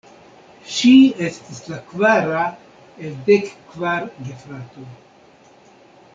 Ŝi estis la kvara el dek kvar gefratoj.